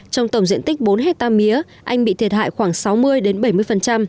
trong tổng diện tích bốn hectare mía anh bị thiệt hại khoảng sáu mươi đến bảy mươi triệu đồng